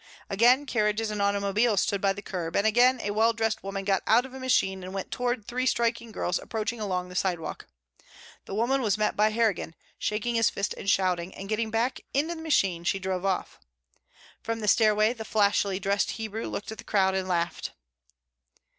Again carriages and automobiles stood by the curb, and again a well dressed woman got out of a machine and went toward three striking girls approaching along the sidewalk. The woman was met by Harrigan, shaking his fist and shouting, and getting back into the machine she drove off. From the stairway the flashily dressed Hebrew looked at the crowd and laughed.